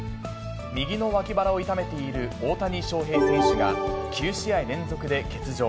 右の脇腹を痛めている大谷翔平選手が、９試合連続で欠場。